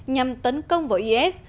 nhằm tấn công vào is